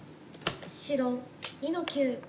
白２の九。